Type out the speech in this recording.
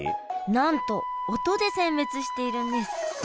なんと音で選別しているんです。